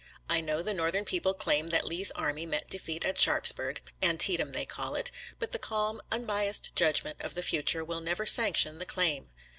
I know the Northern people claim that Lee's army met de feat at Sharpsburg — ^Antietam, they call it — ^but the calm, unbiased judgment of the future will never sanction the claim.